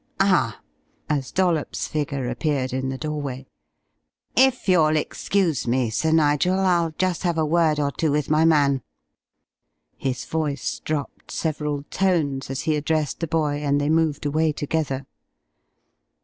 Ah," as Dollops's figure appeared in the doorway, "if you'll excuse me, Sir Nigel, I'll just have a word or two with my man." His voice dropped several tones as he addressed the boy and they moved away together.